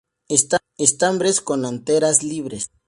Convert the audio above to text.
Estambres con anteras libres.